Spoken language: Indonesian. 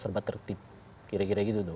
serba tertib kira kira gitu tuh